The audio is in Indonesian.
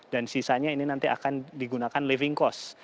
dan sisanya ini nanti akan digunakan living cost